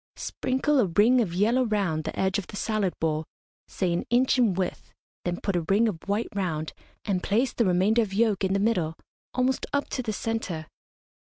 Sprinkle a ring of yellow round the edge of the salad bowl, say an inch in width, then put a ring of white round, and place the remainder of yolk in the middle, almost up to the centre.